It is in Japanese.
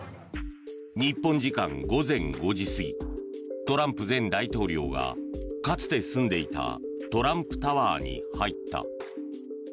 日本時間午前５時過ぎトランプ前大統領がかつて住んでいたトランプタワーに入った。